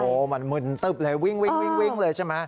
โอ้โหมันมึนตึ๊บเลยวิ่งเลยใช่ไหม